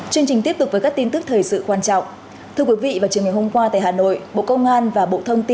hãy đăng ký kênh để ủng hộ kênh của chúng mình nhé